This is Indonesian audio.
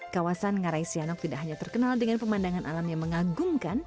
kawasan ngarai sianok tidak hanya terkenal dengan pemandangan alam yang mengagumkan